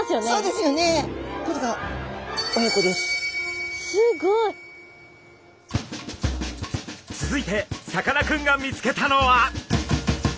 すごい！続いてさかなクンが見つけたのは？